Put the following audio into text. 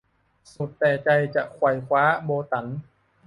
สุดแต่ใจจะไขว่คว้า - โบตั๋น